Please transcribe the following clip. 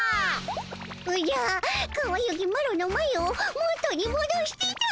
おじゃかわゆきマロのまゆを元にもどしてたも。